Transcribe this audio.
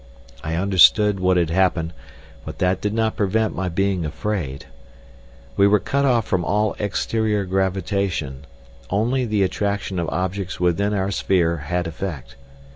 I understood what had happened, but that did not prevent my being afraid. We were cut off from all exterior gravitation, only the attraction of objects within our sphere had effect.